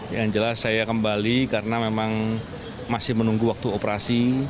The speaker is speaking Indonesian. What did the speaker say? yang jelas saya kembali karena memang masih menunggu waktu operasi